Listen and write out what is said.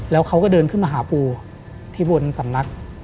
แล้วเขาก็เดินขึ้นมาหาปูที่บนสำนัก